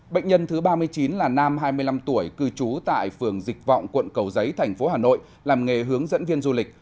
bệnh nhân thứ ba mươi chín là nam hai mươi năm tuổi cư trú tại phường dịch vọng quận cầu giấy thành phố hà nội làm nghề hướng dẫn viên du lịch